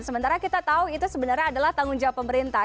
sementara kita tahu itu sebenarnya adalah tanggung jawab pemerintah